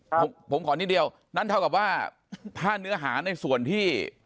ผมผมขอนิดเดียวนั่นเท่ากับว่าถ้าเนื้อหาในส่วนที่